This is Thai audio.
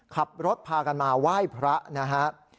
ขับรถพากันมาไหว้พระนะครับ